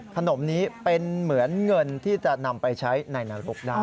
ขนมนี้เป็นเหมือนเงินที่จะนำไปใช้ในนรกได้